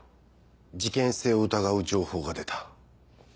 事件性を疑う情報が出た。